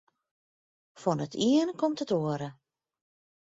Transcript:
Fan it iene komt it oare.